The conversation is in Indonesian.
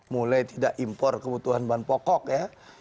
mulai tidak impor kebutuhan bahan pokok ya